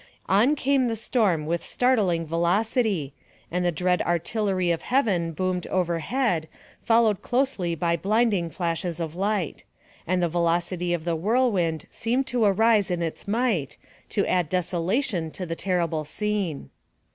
On came the storm with startling velocity, and the dread artillery of heaven boomed overhead, followed closely by blinding flashes of light; and the velocity of the whirlwind seemed to arise in its might, to add desolation to the terrible scene.